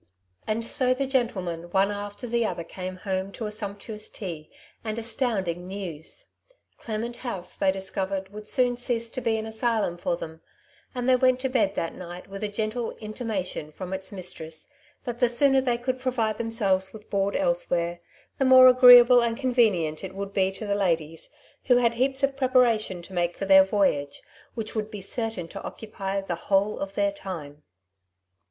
And so the gentlemen one after the other came home to a sumptuous tea, and astounding news. Clement House, they discovered would soon cease to be an asylum for them, and they went to bed that night with a gentle intimation from its mistreaa > I/O " Two Sides to every Quest io^i^ that the sooner they could provide themselves with board elsewhere the more agreable and convenient it would be to the ladies, who had heaps of preparation to make for their voyage which would be certain to occupy the whole of their time.